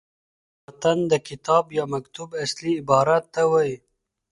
متن د کتاب یا مکتوت اصلي عبارت ته وايي.